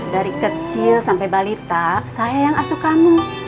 dari kecil sampai balita saya yang asuh kamu